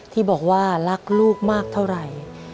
ที่บอกว่ารักลูกมากเท่าไหร่